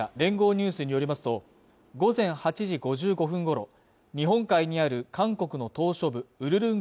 ニュースによりますと午前８時５５分ごろ日本海にある韓国の島しょ部ウルルン